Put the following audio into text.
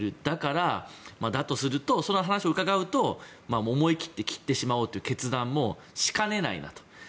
だから、だとするとお話を伺うと思い切って切ってしまおうという決断もしかねないなと。